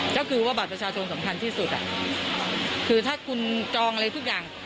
ก็คือว่าบัตรประชาชนสำคัญที่สุดคือถ้าคุณจองอะไรทุกอย่าง